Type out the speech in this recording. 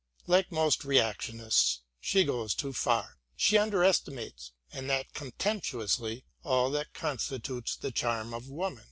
Like most reactionists she goes too far. She under estimates, and that contemp tuously, all that constitutes the charm of woman.